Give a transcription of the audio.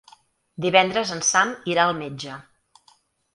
Divendres en Sam irà al metge.